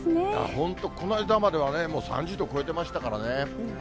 本当、この間まではね、３０度超えてましたからね。